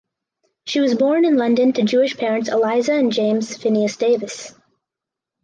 She was born in London to Jewish parents Eliza and James Phineas Davis.